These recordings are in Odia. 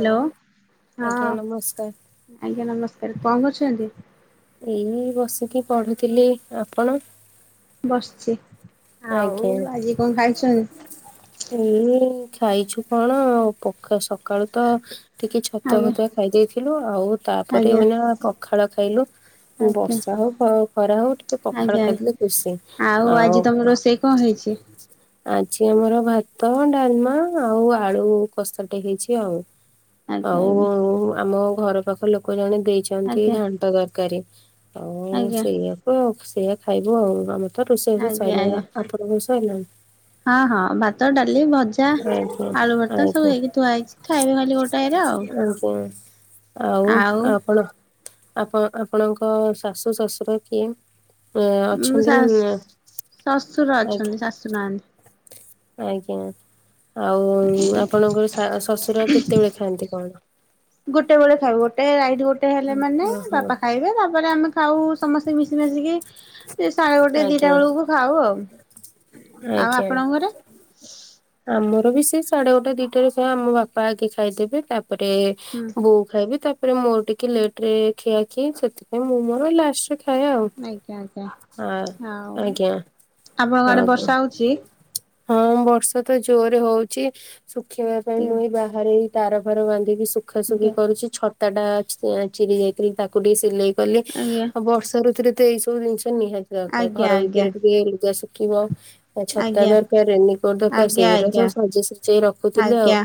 ହ୍ୟାଲୋ ହଁ ଆଜ୍ଞା ନମସ୍କାର ଆଜ୍ଞା ନମସ୍କାର। କଣ କରୁଛନ୍ତି? ଏଇ ବସିକି ପଢୁଥିଲି। ଆପଣ? ବସିଛି। ଆଉ ଆଜ୍ଞା ଆଜି କଣ ଖାଇଛନ୍ତି? ଏଇ ଖାଇଛୁ କଣ ଆଉ ପ ସକାଳୁ ତ ଟିକେ ଛତୁଆ ଆଜ୍ଞା ଫତୁଆ ଖାଇ ଦେଇଥିଲୁ ଆଉ ତାପରେ ଆଜ୍ଞା ଏନା ପଖାଳ ଖାଇଲୁ। ଆଜ୍ଞା ବର୍ଷା ହଉ ଖ ଖରା ହଉ ଟିକେ ପଖାଳ ଆଜ୍ଞା। ଖାଇଦେଲେ ଖୁସିି ଆଉ। ଆଜି ତମ ରୋଷେଇ କଣ ହେଇଛି? ଆଜି ଆମର ଭାତ ଡାଲମା ଆଉ ଆଳୁ କସାଟେ ହେଇଛି ଆଉ। ଆଜ୍ଞା ଆଉ ଆଜ୍ଞା ଆମ ଘର ପାଖ ଲୋକ ଜଣେ ଦେଇଛନ୍ତି ଆଜ୍ଞା ଘାଣ୍ଟ ତରକାରୀ। ଆଉ ଆଜ୍ଞା ସେଇଆକୁ ଆଉ ସେଇଆ ଖାଇବୁ ଆଉ। ଆମେ ତ ରୋଷେଇ ଆଜ୍ଞା ପାଇଲେନା। ଆଜ୍ଞା ଆପଣଙ୍କ ସାଇଲାଣି? ହଁ ହଁ ଭାତ ଡାଲି ଭଜ ଜା ଆଜ୍ଞା ଆଳୁ ଭର୍ତା ଆଜ୍ଞା ସବୁ ହେଇକି ଥୁଆ ହେଇଛି। ଖାଇବେ ଖାଲି ଗୋଟାକେରେ ଆଉ। ଆଜ୍ଞା। ଆଉ ଆପଣ ଆପଣ ଆପଣଙ୍କ ଶାଶୁ ଶ୍ୱଶୁର କିଏ? ଆ ଅଛନ୍ତି ନା ଶାଶୁ ଆ ସୁନାହାନ୍ତି। ଆଜ୍ଞା ଆଉ ଆପଣଙ୍କର ସା ଶଶୁର କେତେବେଳେ ଖାଆନ୍ତି କଣ? ଗୋଟେ ବେଳେ ଖାଇବୁ। ଗୋଟେ ରାଇଟ୍ ଗୋଟେ ହେଲେ ମାନେ ଓହୋ ବାପା ଖାଇବେ ତାପରେ ଆମେ ଖାଉ ସମସ୍ତେ ମିଶି ମାଶିକି ସାଢେ ଗୋଟେ ଦିଟା ଆଜ୍ଞା ବେଳକୁ ଖାଉ ଆଉ। ଆଉ ଆଜ୍ଞା। ଆପଣଙ୍କ ଘର? ଆମର ବି ସେ ସାଢଡେ ଗୋଟା ଦିଟାରେ ସମହ ଆମ ବାପା ଆଗେ ଖାଇଦେବେ ତାପରେ ହୁଁ ବୋଉ ଖାଇବି ତାପରେ ମୋର ଟିକେ ଲେଟ ରେ ଖିଆ କି ସେଥିପାଇଁ ମୁଁ ମୋର ଲାଷ୍ଟ ରେ ଖାଇ ଆଉ ଆଜ୍ଞା ଆଜ୍ଞା ଆଉ ହଁ ଆଜ୍ଞା। ଆପଣଙ୍କ ଆଡେ ଆଜ୍ଞା ବର୍ଷା ହଉଛି। ହଁ ବର୍ଷା ତ ଜୋରରେ ହଉଛି ଶୁଖେଇବା ପାଇଁ ମୁଇଁ ଆଜ୍ଞା ବାହାରେ ତାର ଫାର ବାନ୍ଧିକି ଶୁଖାସୁଖି କରୁଛି ଛତା ଟା ଚିରି ଯାଇଥିଲି ତାକୁ ଟିକେ ସିଲେଇ କ ଆଉ ବର୍ଷା ଋତୁରେ ତ ଏଇ ସବୁ ଜିନିଷ ନିହାତି ଦରକାର ଆଜ୍ଞା ଆଜ୍ଞା ଘର ଆଜ୍ଞା ଭିତରେ ଟିକେ ଲୁଗା କିିବ ଛତା ଆଜ୍ଞା ଦରକାର ରେନିକୋଟ ଦରକାର ଆଜ୍ଞା ସେଇଗୁଡା ସବୁ ଆଜ୍ଞା ସଜେଇ ସଜେଇ ରଖୁଥିଲେ ଆଉ। ଆଜ୍ଞା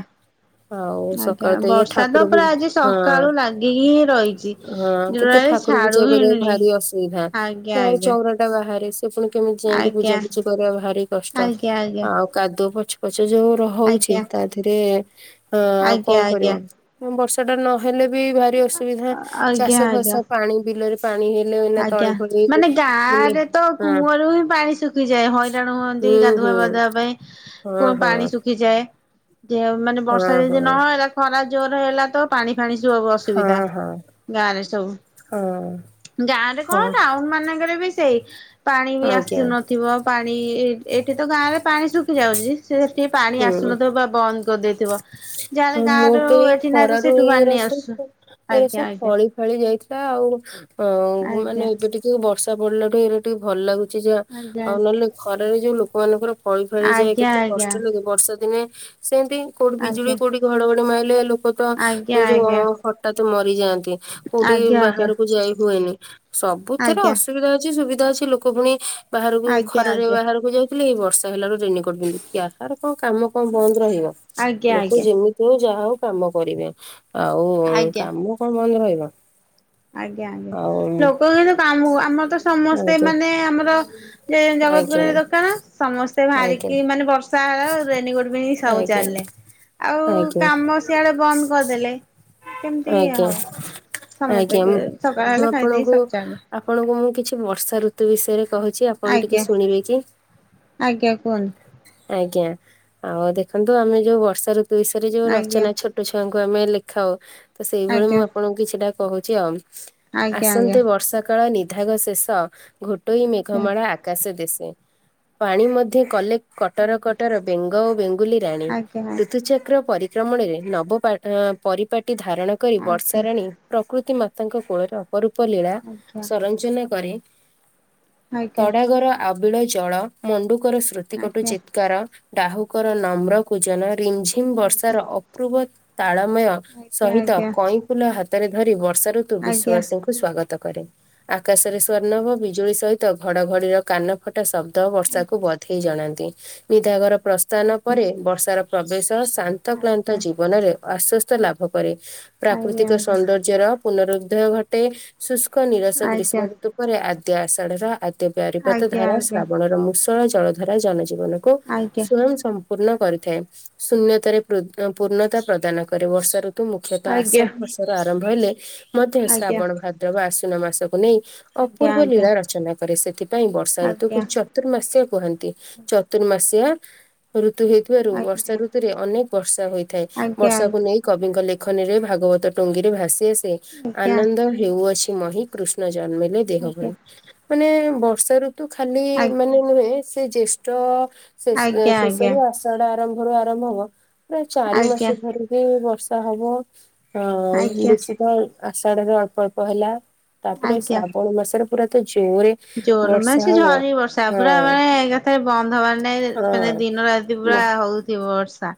ଆଉ ଆଜ୍ଞା ସକାଳୁ ତ ଇଏ ବର୍ଷା ତ ଠାକୁର ହଁ ପୁରା ଆଜି ସକାଳୁ ଲାଗିକି ହିଁ ରହିଛି ହଁ କେତେ ଯୋଉଟାକି ଠାକୁର ଛାଡୁ ପୂଜା ହିଁ କରିବାକୁ ନି। ଭାରି ଅସୁବିଧା ଆଜ୍ଞା ଆଜ୍ଞା ଟା ବାହାରେ ସେ ପୁଣି କେମିତି ଯାଇକି ଆଜ୍ଞା ପୂଜାପୂଜି କରିବା ଭାରି କଷ୍ଟ ଆଜ୍ଞା ଆଜ୍ଞା ଆଉ କାଦୁଅ ପଛ ପଛ ଯୋଉ ହଉଛି ଆଜ୍ଞା ତା ଦେରେ ଅ ଆଉ ଆଜ୍ଞା କଣ କରିବ? ଆଜ୍ଞା ଆଜ୍ଞା ବର୍ଷା ଟା ନହେଲେ ବି ଭାରି ଅସୁବିଧା ଚାଷ ଫାସ ଆଜ୍ଞା ପାଣି ବିଲରେ ପାଣି ହେଲେ ନା ତଳି ଆଜ୍ଞା ଫଳି ମାନେ ଗାଁ ହେଲେ ରେ ତ ହଁ କୂଅରୁ ହିଁ ପାଣି ଶୁଖିଯାଏ ହନ ତେଣୁ ହୁଅନ୍ତି ହୁଁ ହୁଁ ଗାଧୁଆବାଧୁଆ ପାଇଁ। ହଁ କଣ ହଁ ପାଣି ଶୁଖିଯାଏ ଯେ ମାନେ ହଁ ବର୍ଷା ଯଦି ହଁ। ନହେଲା। ଖରା ଜୋର ହେଲା ତ ପାଣି ଫାଣି ସବୁୁ ହଁ ଅସୁବିଧା ହଁ ଗାଁରେ ସବୁ ହଁ ଗାଁରେ କଣ ହଁ ଟାଉନ ମାନଙ୍କରେ ବି ସେଇ ପାଣି ବି ଆଜ୍ଞା ଆସିନଥିବ ପାଣି ଏଇଠି ତ ଗାଁରେ ପାଣି ଶୁଖି ଯାଉଛି। ସେ ଟିକେ ପାଣି ହୁଁ। ଆସୁନଥିବ ବା ବନ୍ଦ କରିଦେଇଥିବ। ହଁ ଯାହାେଲେ ଗାଁ ମୁଁ ତ ରରୁ ଏଇ ଏଠି ନା ତ ଖରାରୁ ସେଠୁ ଆ ନେଇ ଆସୁଛୁ ଆଜ୍ଞା ଆଜ୍ଞା। ଖେଳି ଯାଇଥିଲା ଆଉ ଅ ମାନେ ଆଜ୍ଞା। ଏବେ ଟିକେ ବର୍ଷା ପଡିଲା ଠୁ ଏବେ ଟିକେ ଭଲ ଲାଗୁ ଯା ଆଜ୍ଞା ଆଉ ନହେଲେ ଖରାରେ ଯୋଉ ଲୋକମାନଙ୍କର ଫଳି ଫାଳି ଯାଏ ଆଜ୍ଞା କେତେ କଷ୍ଟ ଲାଗେ ବର୍ଷା ଦିନେ ସେମିତି କୋଉଠି ବିଜୁଳି ଆଜ୍ଞା କୋଉଠି ଘଡଘଡି ମାଇଲେ ଲୋକ ତ ଆଜ୍ଞା ଯୋଉ ଆଜ୍ଞା ଟା ତ ମରିଯାଆନ୍ତି। କୋଉଠି ଆଜ୍ଞା ଆଜ୍ଞା ବାହାରକୁ ଯାଇ ହୁଏନି ସବୁଥିଥରେ ଆଜ୍ଞା ଅସୁବିଧା ଅଛି ସୁବିଧା ଅଛି ଲୋକ। ପୁଣି ବାହାରକୁ ଖରାରେ ଆଜ୍ଞା ବାହାରକୁ ଯାଇ ଏଇ ବର୍ଷା ହେଲାରୁ ରେନିକଟି କାହାର କଣ କାମ କଣ ବନ୍ଦ ରହିବ। ଆଜ୍ଞା ଆ ଆଜ୍ଞା ଯେମିତି ହଉ ଯାହା ହଉ କାମ କରିବେ ଆଉ ଆଜ୍ଞା କାମ କଣ ବନ୍ଦ ରହିବ। ଆଜ୍ଞା ଆଜ୍ଞା ଆଉ ଲୋକ କିନ୍ତୁ କାମ ହ ଆମର ତ ସମସ୍ତେ ଆଜ୍ଞା। ମାନେ ଆମର ଯେ ଆଜ୍ଞା ଜଗତପୁରରେ ଦୋକାନ ସମସ୍ତେ ଆଜ୍ଞା ବାହାରିକି ମାନେ ବର୍ଷା ହେଲା ରେନିକୋର୍ଟ ପିନ୍ଧିକି ସବୁ ଆଜ୍ଞା ଚାଲିଲେ। ଆଉ ଆଜ୍ଞା କାମ ସିଆଡେ ବନ୍ଦ କରିଦେଲେ କେମିତି ଇ ଆଜ୍ଞା। ହଉ ସମସ୍ତେ। ଆଜ୍ଞା ସକାଳେ ମୁଁ ବଳେ ଖାଇଦେଇ ଆପଣଙ୍କୁ ସବୁ ଚାଲିଲେ। ଆପଣଙ୍କୁ ମୁଁ କିଛି ବର୍ଷା ଋତୁ ବିଷୟରେ କହୁଛି ଆପଣ ଟିକେ ଆଜ୍ଞା ଶୁଣିବେ କି? ଆଜ୍ଞା କୁହ ଆଜ୍ଞା ଆଉ ଦେଖନ୍ତୁ ଆମେ ଯୋଉ ବର୍ଷା ଋତୁରେ ଯୋଉ ଆଜ୍ଞା ରଚନା ଛୋ ଛୋଟ ଛୁଆଙ୍କୁ ଆମେ ଲେଖାଉ ତ ସେଇଭଳି ମୁଁ ଆଜ୍ଞା ଆପଣଙ୍କୁ କିଛିଟା କହୁଛି ଆଉ। ଆଜ୍ଞା ଆଜ୍ଞା ଆସନ୍ନ୍ତେ ବର୍ଷା କାଳ ନିଧାଘ ଶେଷ ଘୋଟୋଇ ଆଜ୍ଞା ମେଘମାଳା ଆକା ଆକାଶ ଦେଶେ ପାଣି ମଧ୍ୟ କଲେ କଟର କଟର ବେଙ୍ଗ ବ ରାଣୀ ଆଜ୍ଞା ଋତୁଚକ୍ର ପରିକ୍ରମଣରେ ନବ ପରିପାଟି ଧାରଣ କରି ବର୍ଷା ଆଜ୍ଞା ରାଣୀ ପ୍ରକୃତି ମାତାଙ୍କ କୋଳରେ ଅପରୁପ ଲୀଳା ଆଜ୍ଞା ସଂରଜନା କରେ ଆଜ୍ଞା ତଡାଗର। ଆବିଳ ଜଳ ମଣ୍ଡୁକର ସ୍ମୃତି କଟୁ ଆଜ୍ଞା ଚିତ୍କାର ଆ ଡାହୁଙ୍କର ନମ୍ର କୂଜନ ରିମଝିମ୍ ବର୍ଷାର ଅପୂର୍ବ ତାଳମୟ ଆଜ୍ଞା ସହିତ ଆଜ୍ଞା କଇଁଫୁଲ ହାତରେ ଧରି ବର୍ଷା ଋତୁ ଆଜ୍ଞା ଆଜ୍ଞା ବିଶ୍ୱବାସୀଙ୍କୁ ସ୍ଵାଗତ କରେ ଆକାଶରେ ସ୍ଵର୍ଣ୍ଣଭ ବିଜୁଳି ସହିତ ଘଡଘଡିର କାନ ଟା ଶବ୍ଦ ବର୍ଷାକୁ ବଧେଇ ଜଣାନ୍ତି ନିଧାଘର ପ୍ରସ୍ଥାନ ଆଜ୍ଞା ଆଜ୍ଞା ପରେ ବର୍ଷାର ପ୍ରବେଶ ଶାନ୍ତ କ୍ଲାନ୍ତ ଜୀବନରେ ଆଶ୍ଵସ୍ତ ଲାଭ କରେ ପ୍ରାକୃତିକ ସୌନ୍ଦର୍ଯ୍ୟ ରାଜ୍ୟର ପୁନରୁଦ୍ଧୟ ଘଟେ ଶୁଷ୍କ ନିରଶ ଆଜ୍ଞା ଗ୍ରୀଷ୍ମ ଆଜ୍ଞା ଆଜ୍ଞା ଆଜ୍ଞା ଆଜ୍ଞା ଆଜ୍ଞା ଆଜ୍ଞା ଋତୁ ପରେ ଆଦ୍ୟ ଆଷାଢ଼ର ଆଜ୍ଞା ଆଜ୍ଞା ଆଜ୍ଞା ଆଜ୍ଞା ଆଜ୍ଞା ଆଜ୍ଞା ଆଜ୍ଞା ଆଜ୍ଞା ଆଜ୍ଞା ଆଜ୍ଞା ପ୍ୟାରିପାତ ଆଜ୍ଞା ଧାରା ଶ୍ରାବଣର ମୂଷଳ ଜଳ ଧାରା ଜନଜୀବନକୁ ସ୍ଵୟଂ ସମୃଦ୍ଧି କରେ। ପୂର୍ଣ୍ଣ କରିଥାଏ ଶୂନ୍ୟତାରେ ପୂର୍ଣ୍ଣତା ପ୍ରଦାନ କରେ ବର୍ଷା ଋତ ତୁ ମୁଖ୍ୟତଃ ଆଷାଢ ମାସର ଆରମ୍ଭ ହେଲେ ମଧ୍ୟ ଶ୍ରାବଣ ଭାଦ୍ରବ ଆସ୍ୱୀନ ମାସକୁ ନେଇ ଅପୂର୍ବ ଲୀଳା ରଚନା କରେ ସେଥିପାଇଁ ବର୍ଷା ଋତୁକୁ ଚ ଚତୁର୍ମାସିଆ କୁହନ୍ତି ଚତୁର୍ମାସିଆ ଋତୁ ହେଇଥିବାରୁ ବର୍ଷା ଋତୁ ରେ ଅନେକ ବର୍ଷା ହୋଇଥାଏ ବର୍ଷାକୁ ନେଇ କବିଙ୍କ ଲେଖନୀରେ ଭାଗବତ ଟୁଙ୍ଗିରେ ଭାସି ଆସେ। ଆନନ୍ଦ ହେଉଅଛି ମହି କୃଷ୍ଣ ଜନ୍ମଲେ ଦେହ ଭଳି ମାନେ ବର୍ଷା ର ଖାଲି ମାନେ ନୁହେଁ ସେ ଜେଷ୍ଠ ଶେଷ ଶେଷରୁ ଆଜ୍ଞା ଆସ ବର୍ଷଟା ଆରମ୍ଭରୁ ଆରମ୍ଭ ହବ ପ୍ରାୟ ଚାରି ମାସ ଧରି ବି ବର୍ଷା ହବ? ହଁ ବେଶୀ ଆଜ୍ଞା ତ ଆଷାଢରେ ଅଳ୍ପ ଅଳ୍ପ ହେଲା ତାପରେ ଆଜ୍ଞା ଶ୍ରାବଣ ମାସରେ ପୁରା ତ ଜୋରେ ଜୋର ବର୍ଷା ମାନେ ସେ ହବ। ଝରି ବର୍ଷା ପୁରା ମାନେ ଏକଥରେ ବନ୍ଦ ହବାର ନାଇଁ ହଁ ମାନେ ଦିନ ରାତି ପୁରା ହଁ। ହଉ ଥିବ ବର୍ଷା।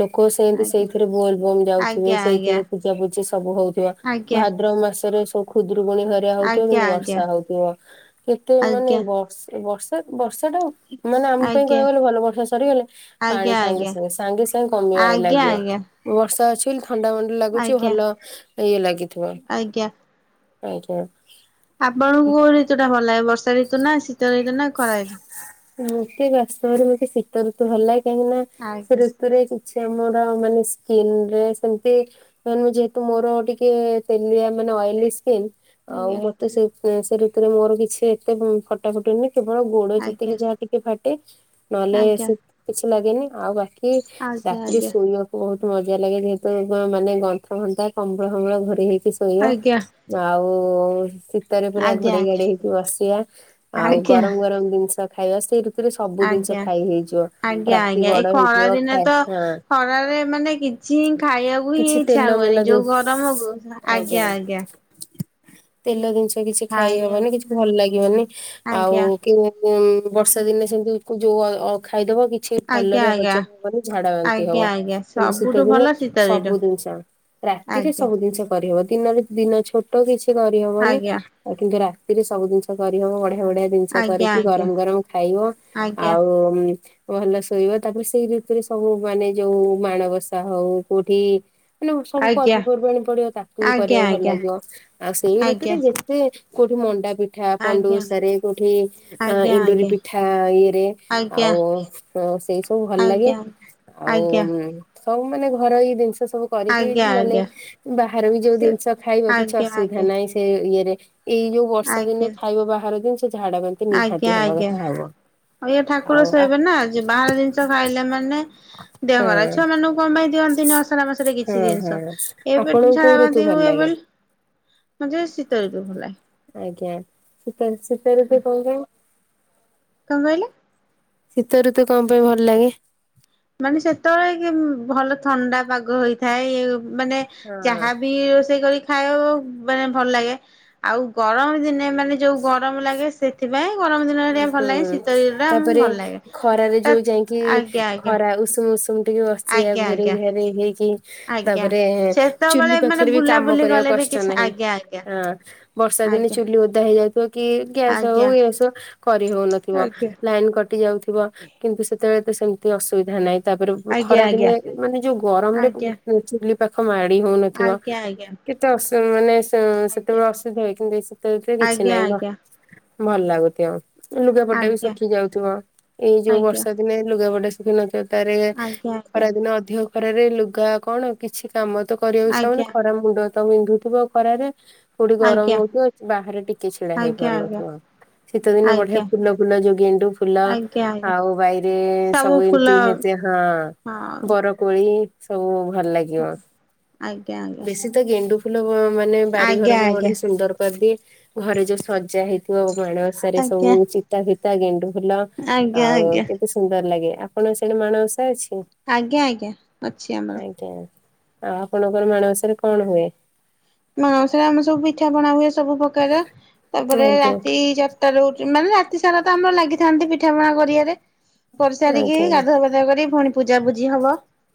ଲୋକ ସେମିତି ଆଜ୍ଞା ସେଇଥିରେ ବୋଲ ବୋମ ଯାଉଥିବେ ଆଜ୍ଞା ସେଇଥିରେ ପୂଜାପୁଜି ସବୁ ହଉଥିବ ଭା ଆଜ୍ଞା ଭାଦ୍ରବ ମାସରେ ସବୁ ଖୁଦୂରୁକୁଣି ଭା ହଉଥିବ ଆଜ୍ଞା କିନ୍ତୁ ଆଜ୍ଞା ବର୍ଷା ହଉଥିବ କେତେ ମାନେ ଆଜ୍ଞା ବଷ ବର୍ଷା ବର୍ଷା ଟା ମାନେ ଆମ ପାଇଁ ଆଜ୍ଞା ଆଜ୍ଞା କହିବାକୁ ଗଲେ ଭଲ ବର୍ଷା ସରିଗଲେ ପାଣି ଆଜ୍ଞା ଆଜ୍ଞା ସାଙ୍ଗେ- ସାଙ୍ଗେ -ସାଙ୍ଗେ -ସାଙ୍ଗେ କମିବାରେ ଲାଗିବ। ଆଜ୍ଞା ବର୍ଷା ଅଛି ବୋଲି ଥଣ୍ଡା ମଣ୍ଡା ଆଜ୍ଞା ଲାଗୁଛି ଆଜ୍ଞା ଭଲ ଇଏ ଲାଗିଥିବ। ଆଜ୍ଞା ଆଜ୍ଞା। ଆପଣଙ୍କୁ କୋଉ ଋତୁ ଟା ଭଲ ଲାଗେ ବର୍ଷା ଋତୁ ନା ଶୀତ ଋତୁ ନା ଖରା ଋତୁ। ମତେ ବାସ୍ତବରେ ମତେ ଶୀତ ଋତୁ ଭଲ ଲାଗେ କାହିଁକି ନା ସେ ଆଜ୍ଞା। କିଛି ଆମର ମାନେ ସ୍କିନରେ ସେମତି ଯେହେତୁ ମୋର ଟିକିଏ ତେଲିଆ ମାନେ ଅଏଲି ସ୍କିନ। ଆଉ ଆଜ୍ଞା ମତେ ସେ ସେ ଋତୁରେ ମୋର କିଛି ଏତେ ଫଟା ଫଟି ହୁଏନି କେବଳ ଗୋଡ ଚା ଆଜ୍ଞା ଟିକେ ଫାଟେ ନହେଲେ ଆଜ୍ଞା ସୁପ କିଛି ଲାଗେନି ଆଉ ବାକି ଆଜ୍ଞା ରାତିିରେ ଆଜ୍ଞା ଶୋଇବାକୁ ବହୁତ ମଜା ଲାଗେ ଯେହେତୁ ମାନେ ଗନ୍ଥା -ଫନ୍ଥା କମ୍ବଳ- ଫମ୍ବଳ ଘୋଡେଇ ହେଇକି ଶୋଇବା। ଆଉ ସେ ସିତରେ ପୁରା ଆଜ୍ଞା ଆଜ୍ଞା ଘୋଡେଇ ଘାଡେଇ ହେଇକି ବସିବା ଆଜ୍ଞା ଆଉ ଆଜ୍ଞା ଗରମ- ଗରମ ଜିନିଷ ଖାଇବା ସେଇ ଋତ ଆଜ୍ଞା- ଆଜ୍ଞା ରାତି -ଆଜ୍ଞା ଏ ବଡ ଖରା ହେଇଥିବ ଦିନେ ଖାଏ ତ ହଁ ଖରାରେ ମାନେ କି କିଛିଁ ଖାଇବାକୁ ହିଁ କିଛି ଇଚ୍ଛା ତେଲ ହୁଏନି ମେଲ ଯୋଉ ଜିନିଷ ଗରମକୁ ଆଜ୍ଞା- ଆଜ୍ଞା। ତେଲ ଜିନିଷ କିଛି ଖାଇ ହବନି କିଛି ଭଲ ଲାଗିବନି ଆଉ ଆଜ୍ଞା ବର୍ଷା ଦିନେ ଆଜ୍ଞା ସେମିତି ଯୋଉ ଖାଇଦବ କିଛି ଆଜ୍ଞା ଭଲରେ ଆଜ୍ଞା ହଜମ ହବନି ଝାଡା ବାନ୍ତି ଆଜ୍ଞା ହବ? ଆଜ୍ଞା କିନ୍ତୁ ସବୁଠୁ ଶୀତ ଦିନେ ଭଲ ଶୀତ ଋତୁ ସବୁ ଜିନିଷ ରାତିରେ ଆଜ୍ଞା। ସବୁ ଜିନିଷ କରିହବ ଦିନରେ ଦିନ ଛୋଟ କିଛି କରିହବନି ଆଜ୍ଞା ଆଉ କିନ୍ତୁ ରାତିରେ ସବୁ ଜିନିଷ କରିହବ ବଢିଆ ବଢିଆ ଜିନିଷ ଆଜ୍ଞା କରିକି ଆଜ୍ଞା ଗରମ ଗରମ ଖାଇବ ଆଜ୍ଞା ଆଉ ଭଲ ଶୋଇବ ତାପରେ ସେଇ ଋତୁରେ ସବୁ ମାନେ ଯୋଉ ମାଣବସା ହଉ କୋଉଠି ମାନେ କଣ ସବୁ ଆଜ୍ଞା ପର୍ବ ପର୍ବାଣି ପଡିବ ତାକୁ ବି ଆଜ୍ଞା କରିବାକୁ ଭଲ ଆଜ୍ଞା। ଲାଗିବ ଆଉ ସେଇ ଋତୁରେ ଆଜ୍ଞା ଯେ ସେ କୋଉଠୁ ମଣ୍ଡା ପିଠା ପଣ୍ଡୁ ଆଜ୍ଞା ଉଷାରେ କୋଉଠି ଅ ଏଣ୍ଡୁରି ଆଜ୍ଞା ପି ଠା ଇଏରେ ଆଜ୍ଞା ଆଉ ଉଁ ସେଇ ସବୁ ଭଲ ଲାଗେ ଆଜ୍ଞା ଆଜ୍ଞା। ଆଉଁ। ଆଜ୍ଞା ସବୁ ମାନେ ଘରୋଇ ଜିନିଷ ସବୁ କରିକି ଆଜ୍ଞା ନେଲେ ଆଜ୍ଞା ବାହାରେ ବି ଯୋଉ ସେ ଜିନିଷ ଖାଇବ କିଛି ଆଜ୍ଞା ଅସୁବିଧା ଆଜ୍ଞା ନାହିଁ। ସେ ଇଏରେ ଏଇ ଯୋଉ ବର୍ଷା ଦିନେ ଆଜ୍ଞା। ଖାଇବ ବାହାରେ ଯେ ସେ ଝାଡା, ବାନ୍ତି ନିହାତି ଆଜ୍ଞା ହବା ଆଜ୍ଞା କଥା ହବ। ଆଉ ଇଏ ଠାକୁର ଆଉ ଆ ଶୋଇବେ ନା ଯେ ବାହାର ଜିନିଷ ଖାଇଲା ମାନେ। ଦେହ ହଁ ଖରାପ ଛୁଆ ମାନଙ୍କୁ କଣ ପାଇଁ ଦିଅନ୍ତିନି ଅଷାଢା ମାସରେ କିଛି ହଁ ହଁ ଜିନିଷ ଏବେ ଆପଣଙ୍କୁ ଝାଡ଼ା, କୋଉ ଋତୁ ବାନ୍ତି ଭଲ ହୁଏ ଲାଗେ? ବୋଲ। ହଁ ଯେ ଶୀତ ଋତୁ ଭଲ ଲାଗେ। ଆଜ୍ଞା। ଶିତ ଋ ଶିତ ଋତୁ କଣ ପାଇଁ? କଣ କହିଲେ? ଶୀତଋତୁ କଣ ପାଇଁ ଭଲ ଲାଗେ? ମାନେ ସେତେବେଳେ କିମ ଭଲ ଥଣ୍ଡା ପାଗ ହୋଇଥାଏ ଇଉ ମାନେ ହଁ ଯାହା ବି ରୋଷେଇ କରି ଖାଇବୁ ମାନେ ଭଲ ଲାଗେ ଆଉ ଗରମ ଦିନେ ମାନେ ଯୋଉ ଗରମ ଲାଗେ ସେ ସେଥିପାଇଁ ଗରମ ଦିନଟା ଟିକେ ଭଲ ଲାଗେ। ହୁଁ ଶୀତ ଦିନଟା ତାପରେ ଆମକୁ ଭଲ ଲାଗେ। ଖରାରେ ଯୋଉ ଏତ ଯାଇକି ଆଜ୍ଞା ଆ ଖରା ଉଷୁମ ଉଷୁମ ଟିକେ ବସିବା ଘୋରେଇ ଆଜ୍ଞା ଘାରେଇ ହେଇକି। ଆଜ୍ଞା ତାପରେ ଚୁଲି ସେତେବେଳେ ମାନେ ପାଖରେ ବି କାମ ବୁଲାବୁଲି କରିବା ଗଲେ ବି କଷ୍ଟ କିଛି ନାହିଁ ଆଜ୍ଞା ଆ ଆଁ ବର୍ଷା ଦିନେ ଆଜ୍ଞା। ଚୁଲି ଓଦା ହେଇଯାଇଥିବ କି ଗ୍ୟାସ ହଉ ଆଜ୍ଞା [unintelligible] କରି ହଉନଥିବ। ଲାଇନ କଟି ଯାଉଥିବ କିନ୍ତୁ ସେତେବେଳେ ତ ସେମିତି ଅସୁବିଧା ନାହିଁ। ତାପର କୁ ଆଜ୍ଞା ଖରା ଦିନେ ଏ ମାନେ ଯୋଉ ଆଜ୍ଞା ଗରମରେ ଆଜ୍ଞା [unintelligible] ଚୁଲି। ପାଖ ମାଡି ହଉନଥିବ। ଆଜ୍ଞା। କେତେ ଅସ ମାନେ ଅଁ ଆଜ୍ଞା ଆଜ୍ଞା ସେତେବେଳେ ଅସୁବିଧା ହୁଏ। କିନ୍ତୁ ଏଇ ଶୀତ ଋତୁରେ କିଛି ଆଜ୍ଞା ନାହିଁ ଗ ଆଜ୍ଞା। ଆଜ୍ଞା ଭଲ ଲାଗୁଥିବ। ଲୁଗାପଟା ବି ଶୁଖି ଯାଉଥିବ। ଏଇ ଯୋଉ ଆଜ୍ଞା ବର୍ଷା ଦିନେ ଲୁଗାପଟା ଶୁ [unintelligible] ତାରେ ଆଜ୍ଞା ଖରାଦିନ ଅଧିକ ଖରାରେ ଲୁଗା କଣ କିଛି କାମ ତ। କରିବାକୁ ଇଚ୍ଛା ହବନି। ଆଜ୍ଞା ଖରା ମୁଣ୍ଡ ତ ବିନ୍ଧୁଥିବ ଖରାରେ। କୋଉଠି ଗରମ ଆଜ୍ଞା ହଉଥିବ ବାହାରେ ଟିକେ ଛିଡା ଆଜ୍ଞା ଆଜ୍ଞା। ଆଜ୍ଞା ଆଜ୍ଞା ହେଇପାରୁ ନଥିବ। ଶୀତ ଦିନେ ଆଜ୍ଞା ବଢିଆ ଆଜ୍ଞା ଫୁଲ ଫୁଲ ଯୋଉ ଗେଣ୍ଡୁ ଫୁଲ। ଆଜ୍ଞା ଆଜ୍ଞା। ଆଉ ବାଇରେ ସବୁ ଏମିତି [unintelligible] ହଁ ହଁ ବର କୋଳି ସବୁ ଭଲ ଲାଗିବ। ଆଜ୍ଞା ଆଜ୍ଞା ବେଶୀ ତ ଗେଣ୍ଡୁ ଫୁଲ ମାନେ ଆଜ୍ଞା ବାରିଘରକୁ ଗୋଟେ ଆଜ୍ଞା। ସୁନ୍ଦର କରିଦିଏ ଘରେ ଯୋଉ ସଜା ହେଇଥିବ ମାଣ। ବର୍ଷା ରେ ଆଜ୍ଞା ସବୁ ଆଜ୍ଞା ଚିତା, ଫିତା, ଗେଣ୍ଡୁ ଫୁଲ ଆଉ ଆଜ୍ଞା କେ ସୁନ୍ଦର ଲାଗେ। ଆପଣଙ୍କ ସିଆଡେ ମାଣବସା ଅଛି? ଆଜ୍ଞା ଆଜ୍ଞା ଅଛି ଆମର। ତା ଆଉ ଆପଣଙ୍କର ମାଣବସା ରେ କଣ ହୁଏ? ମାଣବସା ରେ ଆମର ସବୁ ପିଠା ପଣା ହୁଏ ସବୁ ପ୍ରକାର। ତାପରେ ଆଜ୍ଞା ରାତି ଚା ରହୁଚି ମାନେ ରାତି ସାରା ତ ଆମର ଲାଗିଥାନ୍ତି ପିଠା ପଣା କରିବାରେ। କରିସାରିକି ଆଜ୍ଞା ଗାଧୁଆ [unintelligible] କରି ପୁଣି ପୂଜା ପୂଜି ହବ।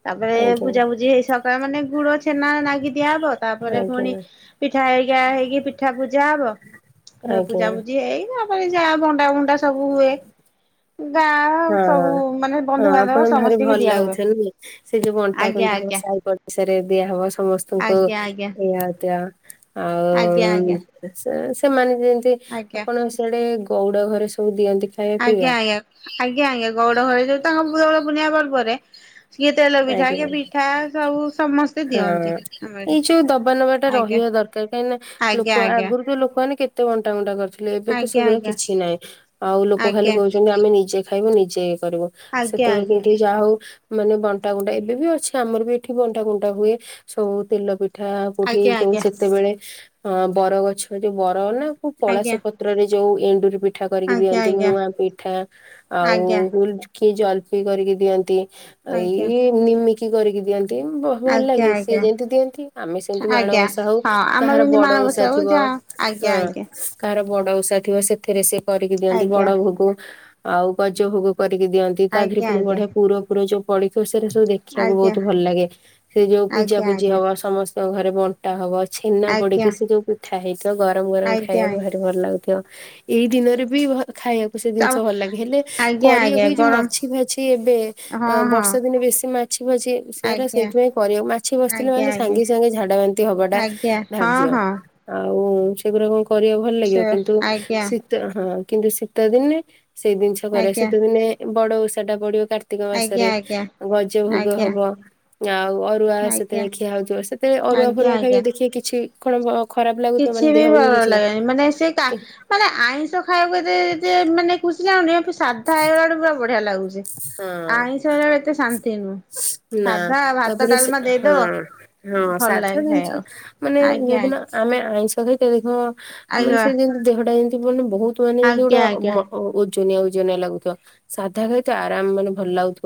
ତାପରେ ଆଜ୍ଞା ପୂଜା ପୂଜି ହେଇ ସ ପା ମାନେ ଗୁଡ, ଛେନା ନାଗି ଦିଆହବ ତାପରେ। ଆଜ୍ଞା ପୁଣି ପିଠା ହେରିକା ହେଇକି ପିଠା ପୂଜା ହବ ଫେ ଆଜ୍ଞା। ପୂଜା ପୂଜି ହେଇ ମାନେ ଯାହା ବଣ୍ଡା ବଣ୍ଡା ସବୁ ହୁଏ। ଗାଁ। ସବୁ ହଁ। ମାନେ ହଁ ବନ୍ଧୁବାନ୍ଧବ ଆପଣ ଭାରି ସମସ୍ତଙ୍କୁ ଭଲ ଦିଆ ହୁଏ। ଲାଗୁଥିବ ନାଇଁ। ସେ ଯୋଉ ବଣ୍ଟା ଆଜ୍ଞା ଫଣ୍ଟା ହବ ଆଜ୍ଞା ସାଇ ପଡି ଶାରେ ଦିଆ ହବ ସମସ୍ତଙ୍କୁ ଆଜ୍ଞା ଆଜ୍ଞା ଦିଆ ହଉଥିବ ଆଜ୍ଞା ଆଉଁ। ଆଜ୍ଞା ସେମାନେ ଯେମିତି, ଆଜ୍ଞା। ଆପଣ ସେଆଡେ ଗଉଡ ଘରେ ସବୁ ଦିଅନ୍ତି। ଖାଇବା ଆଜ୍ଞା ପିଇବା ଆଜ୍ଞା। ଆଜ୍ଞା ଆଜ୍ଞା ଗଉଡ ଘରେ ଯୋଉ ତାଙ୍କ ଗୌଡପୁର୍ଣିମା ପର୍ବ ରେ ସିଏ ତେଲ ପିଠା, ଆଜ୍ଞା। ପିଠା ସବୁ ସମସ୍ତେ ହଁ ଦିଅନ୍ତି। ଏଇ ଆମକୁ ଯୋଉ ଦବା ନବା ଟା ଆଜ୍ଞା ରହିବା ଦରକାର କାହିଁକି ନା ଲୋକ ଆଜ୍ଞା ଆଗରୁ ତ ଲୋକମାନେ କେତେ କେ କେତେ ବଣ୍ଟା ଗଣ୍ଟା କରିଥିଲେ, ଏବେ ତ ଆଜ୍ଞା ସେଗୁରା ଆଜ୍ଞା କିଛି ନାହିଁ, ଆଉ ଲୋକ ଖାଲି ଆଜ୍ଞା କହୁ ଆମେ ନିଜେ ଖାଇବୁ, ନିଜେ କରିବୁ ସେତେବେଳେ ଆଜ୍ଞା। କିଏ ଯାହା ହଉ ମାନେ ବଟା ଗୁଣ୍ଡା ଏବେ ବି ଅଛି ଆମର ବି ଏଠି ବଣ୍ଟା ଗୁଣ୍ଡା ହୁଏ ସବୁ ତେଲ ପିଠା ଠି ଆଜ୍ଞା ଯୋଉ ଆଜ୍ଞା ସେତେବେଳେ ଅ ବରଗଛ ଯୋଉ ବର ନା କୋଉ ପଳାସ ଆଜ୍ଞା ପ ପତ୍ର ରେ ଯୋଉ ଏଣ୍ଡୁରି ପିଠା କରିକି ଆଜ୍ଞା ଦିଅନ୍ତି, ଆଜ୍ଞା। ମୁଆଁ ପିଠା। ଆଉ ଆଜ୍ଞା ହ କିଏ ଜଲପି କରିକି ଦିଅନ୍ତି, ଆଜ୍ଞା ଆଜ୍ଞା ଆଜ୍ଞା ଏଇ ନିମିକି କରିକି ଦିଅନ୍ତି। ଭଲ ଆଜ୍ଞା ଲାଗେ। ସିଏ ଆଜ୍ଞା। ଯେମତି ଦିଅନ୍ତି, ଆମେ ସେମିତି ମାଣ ଆଜ୍ଞା ଓଷା ହଉ ହଁ ଆମର କାହାର ଯେମିତି ବଡ ଓଷା ମାଣବସା ହଉ ଥିବ ଯାହା ଆଜ୍ଞା ହଁ। ଆଜ୍ଞା କାହାର ବଡ ଓଷା ଥିବ ସେଥିରେ ସେ କରିକି ଦିଅନ୍ତି ବଡ ଆଜ୍ଞା। ଭୋଗ। ଆଉ ଗଜ ଭୋଗ କରିକି ଦିଅନ୍ତି। ତା ଦେହରେ ଆଜ୍ଞା ପୁଣି ଆଜ୍ଞା ବଢିଆ ପୁର ପୁର ଯୋଉ ପଡିକି ସେଗୁରା ସବୁ ଦେଖିବାକୁ ଆଜ୍ଞା ବହୁତ ଭଲ ଲାଗେ। ସେ ଯୋଉ ଆଜ୍ଞା ପୂଜା ଆଜ୍ଞା ପୂଜି ହବ ସମସ୍ତଙ୍କ ଘରେ ବନ ଟା ହବ। ଛେନା ପଡିକି ଆଜ୍ଞା ସେ ଯୋଉ ପିଠା ହେଇଥିବ, ଗରମ ଗରମ ଆଜ୍ଞା ଖାଇବାକୁ ଭାରି ଭଲ ଲାଗୁ ତ ଏଇ ଦିନରେ ବି ଭ ଖାଇବାକୁ ସେ ଜିନିଷ ଆଜ୍ଞା। ଭଲ ଲାଗେ। ହେଲେ ଆଜ୍ଞା କରିବାକୁ ଆଜ୍ଞା ଏଇ ଯୋଉ ଗରମ ମାଛି ଫାଛି ଏବେ ହଁ ହଁ ବର୍ଷା ଦିନେ ବେଶୀ ମାଛି ଫାଛି ସେରା ଆଜ୍ଞା ସେଇଥିପାଇଁ କରିବା, ମାଛି ବସିଥିଲେ ଆଜ୍ଞା ମାନେ ଆଜ୍ଞା ସାଙ୍ଗେ ସାଙ୍ଗେ ଝାଡା ବାନ୍ତି ହବା ଟା ଆଜ୍ଞା ହଁ ଧାର୍ଯ୍ୟ। ହଁ। ଆଉ ସେଗୁଡା କଣ କରିବା ଭଲ ଲାଗିବ ସେ କିନ୍ତୁ ଆଜ୍ଞା ହଁ କିନ୍ତୁ ଶୀତ ଦିନେ, ସେଇ ଜିନିଷ କରିବା, ଆଜ୍ଞା ଶୀତ ଦିନେ ବଡ ଓଷା ଟା ପଢିବ କାର୍ତି କାର୍ତିକ ଆଜ୍ଞା ମାସରେ ଆଜ୍ଞା ଗଜ ଭୋଗ ଆଜ୍ଞା ହବ। ଆଉ ଅରୁଆ ଆଜ୍ଞା। ସେତେବେଳେ ଖିଆ ହଉଥିବ, ସେଥିେରେ ଅରୁଆ ଆଜ୍ଞା ଫରୁଆ ଆଜ୍ଞା ଖାଇବେ ଦେଖିକେ କିଛି କଣ ଖରାପ ଲାଗୁଥିବ କିଛି ମାନେ ବି ଦେହକୁ ଭଲ କିଛି ଲାଗେନି ମାନେ ସେ କା ମାନେ ଆଇଁଷ ଖାଇବାକୁ ଏତେ ଯେ ମାନେ ଖୁସି ଲାଗୁନି ସାଧା ହେଇଗଲାଠୁ ପୁରା ବଢିଆ ଲାଗୁଛି, ହଁ ଆଇଁଷ ହେଇଲା ବେଳେ ଏତେ ଶାନ୍ତି ନୁହେଁ। ନା ତାପରେ ସେ ହଁ, ହଁ, ଭଲ ସାଧା ଲାଗେ ଜିନିଷ ଖାଇବାକୁ। ମାନେ ଆଜ୍ଞା ଯୋଉଦିନ ଆମେ ଆଇଁଷ ଖାଇଥିବା ଦେଖିବ, ମାନେ ଆଜ୍ଞା ସେ ଯେମିତି ଦେହଟା ଯେମିତି ମାନେ ବହୁତ ମାନେ ଯେମିତି ଗୋଟେ ଆଜ୍ଞା ଆଜ୍ଞା ଓ ଓଜନିଆ ଓଜନିଆ ଲାଗୁଥିବ, ସାଧା ଖାଇଥିବ ଆରାମ ମାନେ ଭଲ ଲାଗୁଥିବ।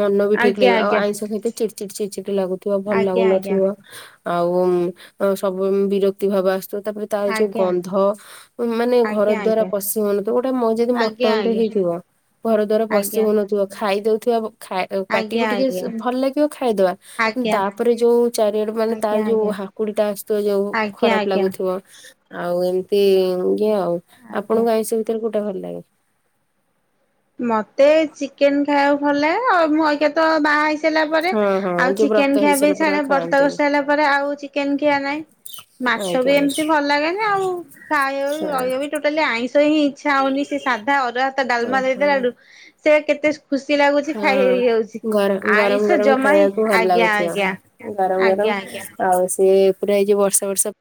ମନ ବି ଆଜ୍ଞା ଠିକ୍ ଆଜ୍ଞା ଆଜ୍ଞା। ଲାଗିବ, ଆଇଁଷ ଖାଇଥିବ ଚିଡ ଚି ଚିଡ ଚି ଲାଗୁଥିବ ଭଲ ଆଜ୍ଞା ଲାଗୁନଥିବ। ଆଜ୍ଞା ଆଉ ସବୁ ବିରକ୍ତି ଭାବ ଆସୁଥିବ ତାପରେ ତାର ଯୋଉ ଆଜ୍ଞା ଗନ୍ଧ, ମାନେ ଘର ଆଜ୍ଞା ଦ୍ୱାର ଆଜ୍ଞା। ପଶିହଉନଥିବ, ଗୋଟେ ମ ଯଦି ଆଜ୍ଞା ମଟନ ଆଜ୍ଞା ହେଇଥିବ ଘର ଦ୍ୱାର ପଶିହଉନଥିବ, ଖାଇଦଉଥିବା ଖାଇ, ପାଟିକୁୁ ଆଜ୍ଞା ଟିକେ ଆଜ୍ଞା ଭଲ ଲାଗିବ ଖାଇଦବା ଆଜ୍ଞା ଆଜ୍ଞା ତାପରେ ଯୋଉ ଚାରିଆଡେ ମାନେ ତାର ଆଜ୍ଞା ଯୋଉ ଆଜ୍ଞା ହାକୁଡି ଟା ଆସୁଥିବ ଯୋଉ ଆଜ୍ଞା ଖରାପ ଆଜ୍ଞା ଲାଗୁଥିବ। ଆଉ ଏମିତି ଇଏ ଆଉ, ଆଜ୍ଞା। ଆପଣଙ୍କ ଆଇଁଷ ଭିତରେ କୋଉଟା ଭଲ ଲାଗେ? ମତେ ଚିକେନ ଖାଇବାକୁ ଭଲ ଲାଗେ, ମୁ ଆଇକା ତ ବାହା ହେଇ ଲା ପରେ ହଁ ହଁ ଆଉ ଯୋଉ ବ୍ରତ ଚିକେନ ଖିଆ ବି ହେଇସାରିଲା ପରେ ଆଉ ଛାଡେ ବର୍ତ ଖାଆନ୍ତିନି ବସେଇଲା ପରେ ଆଉ ଚିକେନ ଖିଆ ନାଇଁ। ମାଛ ବି ଆଜ୍ଞା। ଏମିତି ଭଲ ଲାଗେନି ଆଉ ଖାଇ ହଁ ରହିବ ଟୋଟାଲି ଆଇଁଷ ହେଇ ଇଚ୍ଛା ହଉନି ସେ ସାଧା ଅରୁଆ ଭାତ ଡାଲମା ଓହୋ ଦେଇଦଲା ରୁ ସେ କେତେ ଖୁସି ଲାଗୁଛି, ଖାଇ ହଁ। ହେଇଯାଉଛି ଗର ଗରମ ଆଇଁଷ ଗରମ ଜମା, ହେ ଖାଇବାକୁ ଭଲ ଆଜ୍ଞା ଲାଗୁଥିବ। ଆଜ୍ଞା ଗରମ ଗରମ ଆଜ୍ଞା ଆଜ୍ଞା ଆଉ ସେଏ ପୁରା ଏଇ ଯ ବର୍ଷ ବର୍ଷ